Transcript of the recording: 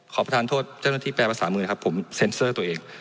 ประธานโทษเจ้าหน้าที่แปลภาษามือนะครับผมเซ็นเซอร์ตัวเอง